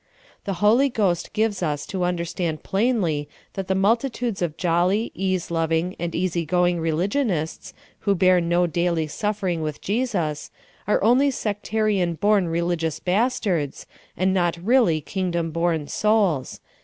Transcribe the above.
The Holy Ghost gives us to understand plainl}' that the nuiltitudes of jolly, ease loving, and easy going religionists, who bear no daily suffering with Jesus, are only sectarian born re ligious bastards, and not really kingdom born souls.